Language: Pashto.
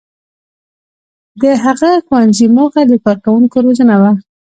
• د هغه ښوونځي موخه د کارکوونکو روزنه وه.